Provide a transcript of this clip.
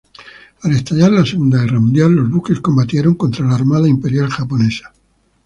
Al estallar la Segunda Guerra Mundial, los buques combatieron contra la Armada Imperial Japonesa.